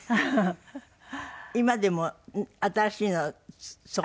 今でも新しいのをそこに？